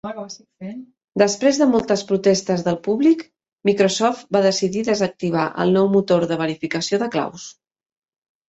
Després de moltes protestes del públic, Microsoft va decidir desactivar el nou motor de verificació de claus.